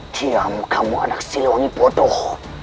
diam kamu anak siluwangi bodoh